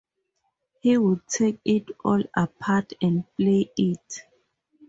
He would take it all apart and play it.